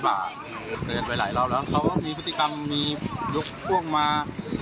เดินไปหลายรอบแล้วเขาก็มีพฤติกรรมมียกพวกมา